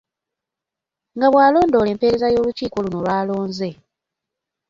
Nga bwalondoola empeereza y’olukiiko luno lwalonze.